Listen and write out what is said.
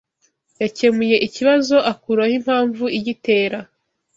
Yakemuye ikibazo akuraho impamvu igitera